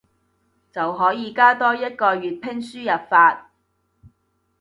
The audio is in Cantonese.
就可以加多一個粵拼輸入法